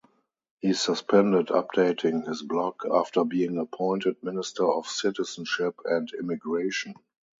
He suspended updating his blog after being appointed Minister of Citizenship and Immigration.